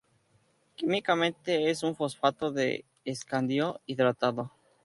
Químicamente es un fosfato de escandio hidratado.